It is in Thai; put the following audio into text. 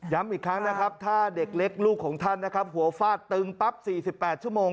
อีกครั้งนะครับถ้าเด็กเล็กลูกของท่านนะครับหัวฟาดตึงปั๊บ๔๘ชั่วโมง